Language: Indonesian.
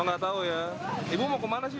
oh gak tahu ya ibu mau kemana sih